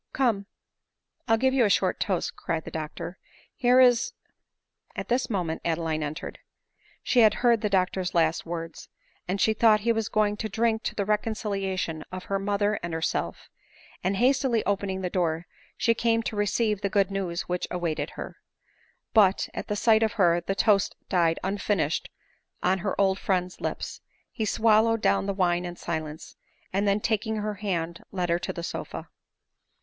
" Come, I'll give you a toast," cried the doctor ;" here is " At this moment Adeline entered. She had heard the doctor's last words, and, she thought he was going to drink to the reconciliation of her mother and herself; and hastily opening the door, she came to receive the good news which awaited her. But, at sight of her the toast died unfinished on her old friend's lips ; he swallowed down the wine in silence, and then taking her hand led her to the sofa.